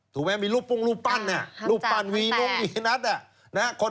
ถูกไหมมีรูปปั้นรูปปั้นวีนูงมีนัท